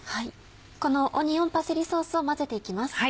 このオニオンパセリソースを混ぜて行きます。